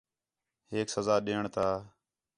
ہیک سزا ݙیئݨ تا